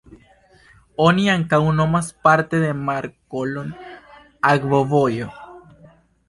Oni ankaŭ nomas parte la markolon akvovojo.